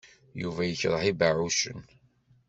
Yuba yekṛeh ibeɛɛucen.